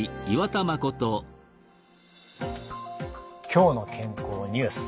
「きょうの健康ニュース」